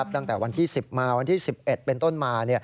ตั้งแต่วันที่๑๐มาวันที่๑๑เป็นต้นมา